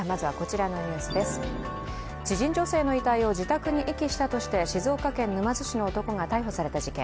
知人女性の遺体を自宅に遺棄したとして静岡県沼津市の男が逮捕された事件。